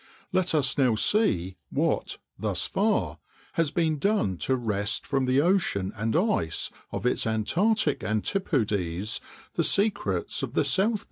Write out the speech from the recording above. Let us now see what, thus far, has been done to wrest from the ocean and ice of its Antarctic antipodes the secrets of the South Pole.